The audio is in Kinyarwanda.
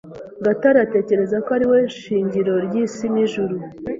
Gatare atekereza ko ari we shingiro ry'isi n'ijuru.